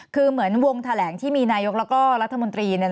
คือเหมือนวงแถลงที่มีนายกแล้วก็รัฐมนตรี